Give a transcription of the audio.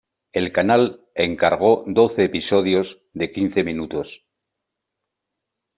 El canal encargó doce episodios de quince minutos.